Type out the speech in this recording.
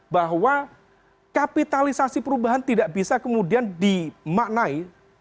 bahwa kapitalisasi perubahan tidak bisa kemudian dimaknai